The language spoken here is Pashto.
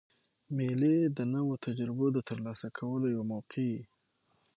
مېلې د نوو تجربو د ترلاسه کولو یوه موقع يي.